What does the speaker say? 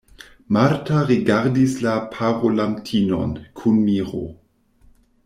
Marta rigardis la parolantinon kun miro.